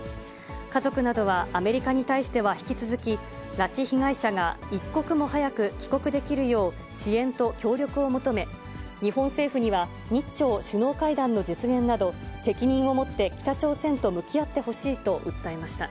家族などは、アメリカに対しては引き続き、拉致被害者が一刻も早く帰国できるよう、支援と協力を求め、日本政府には日朝首脳会談の実現など、責任を持って北朝鮮と向き合ってほしいと訴えました。